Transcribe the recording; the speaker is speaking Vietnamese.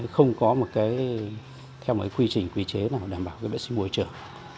không có theo một quy trình quý chế nào đảm bảo vệ sinh môi trường